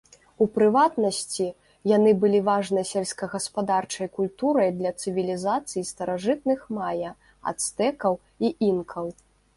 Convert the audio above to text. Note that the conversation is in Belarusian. У прыватнасці, яны былі важнай сельскагаспадарчай культурай для цывілізацый старажытных мая, ацтэкаў і інкаў.